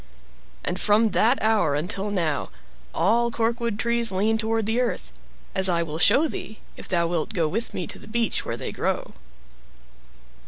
And from that hour until now, all corkwood trees lean toward the earth, as I will show thee, if thou wilt go with me to the beach where they grow.